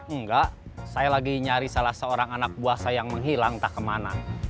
enggak saya lagi nyari salah seorang anak buah saya yang menghilang entah kemana